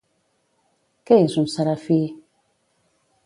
Què és un serafí?